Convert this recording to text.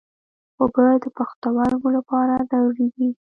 اوبه د پښتورګو لپاره ضروري دي.